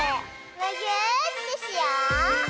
むぎゅーってしよう！